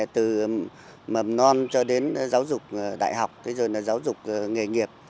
từ mầm non cho đến giáo dục đại học giáo dục nghề nghiệp